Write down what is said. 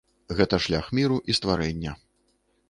Гэта шлях міру і стварэння.